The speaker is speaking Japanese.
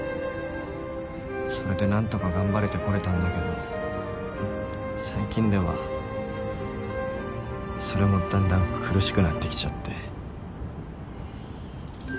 それでなんとか頑張れてこれたんだけど最近ではそれもだんだん苦しくなってきちゃって。